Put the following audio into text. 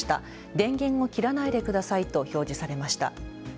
電源を切らないでくださいと表示されました。